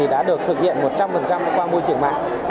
đã được thực hiện một trăm linh qua môi trường mạng